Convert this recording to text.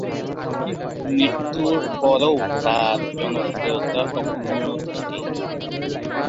মৃত্যুর পরও তার জনপ্রিয়তা অক্ষুণ্ণ থাকে।